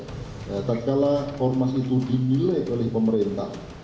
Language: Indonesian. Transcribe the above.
jika ada setelah ormas itu dimiliki oleh pemerintah